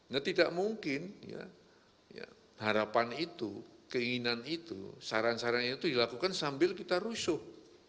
nah tidak mungkin harapan itu keinginan itu saran saran itu dilakukan sambil kita rusuh